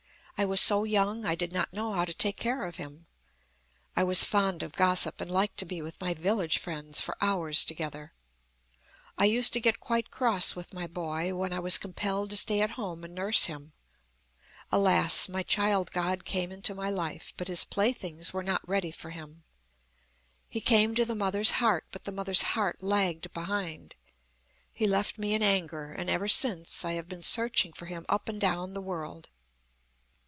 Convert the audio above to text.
I was so young I did not know how to take care of him. I was fond of gossip, and liked to be with my village friends for hours together. I used to get quite cross with my boy when I was compelled to stay at home and nurse him. Alas! my child God came into my life, but His playthings were not ready for Him. He came to the mother's heart, but the mother's heart lagged behind. He left me in anger; and ever since I have been searching for Him up and down the world.